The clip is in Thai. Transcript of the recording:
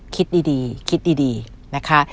คิดดีคิดดีนะคะ